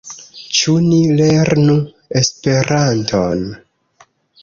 Ĉu ni lernu Esperanton?